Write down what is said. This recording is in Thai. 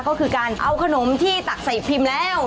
ก็คือการเอาขนมที่ตักใส่พิมพ์แล้ว